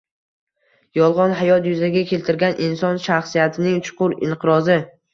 “Yolg‘on hayot” yuzaga keltirgan inson shaxsiyatining chuqur inqirozi